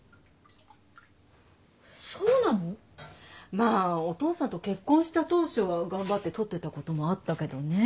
まあお父さんと結婚した当初は頑張ってとってたこともあったけどね。